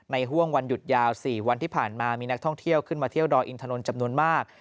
ห่วงวันหยุดยาว๔วันที่ผ่านมามีนักท่องเที่ยวขึ้นมาเที่ยวดอยอินทนนท์จำนวนมาก